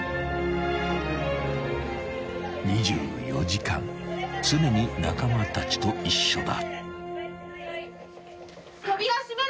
［２４時間常に仲間たちと一緒だ］